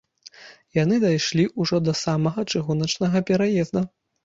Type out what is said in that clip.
Яны дайшлі ўжо да самага чыгуначнага пераезда.